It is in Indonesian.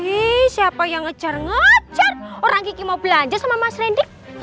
ini siapa yang ngejar ngejar orang kiki mau belanja sama mas randy